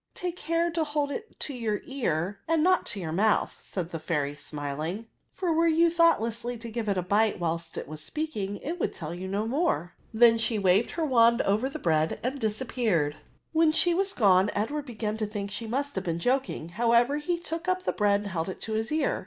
'' Take care to hold it to your ear and not to your mouth," said the fairy, smiling ;" for were you thoiightlessly to givo it a bite whilst it was speaking, it would tell you no more." She then waved her wand over the bread and disappeared. When she was gone, Edward began to think she mu5t have been joking ; however, he took up the bread and held it to his ear.